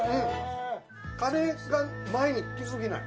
カレーが前に来過ぎない。